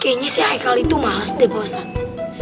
kayaknya si haikal itu males deh bapak ustadz